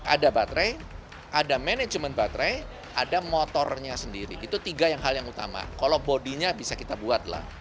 ada baterai ada manajemen baterai ada motornya sendiri itu tiga hal yang utama kalau bodinya bisa kita buatlah